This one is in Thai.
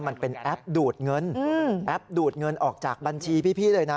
มันเป็นแอปดูดเงินแอปดูดเงินออกจากบัญชีพี่เลยนะ